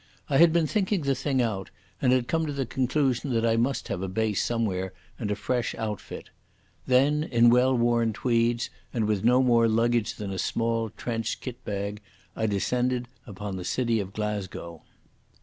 I had been thinking the thing out, and had come to the conclusion that I must have a base somewhere and a fresh outfit. Then in well worn tweeds and with no more luggage than a small trench kit bag, I descended upon the city of Glasgow.